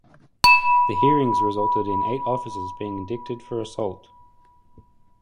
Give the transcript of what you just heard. The hearings resulted in eight officers being indicted for assault.